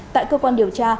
tại cơ quan điều tra